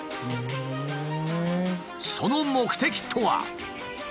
その目的とは。